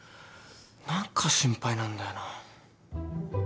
何か心配なんだよな。